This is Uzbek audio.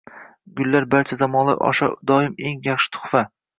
Gullar barcha zamonlar osha doim eng yaxshi tuhfa.